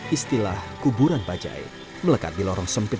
istilah kuburan bajai melekat di lorong sempit